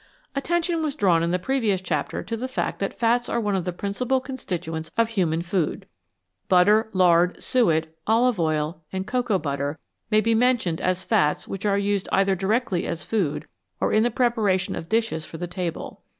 Attention was drawn in the previous chapter to the fact that fats are one of the principal constituents of human food. Butter, lard, suet, olive oil, and cocoa butter may be mentioned as fats which are used either directly as food or in the preparation of dishes for the table.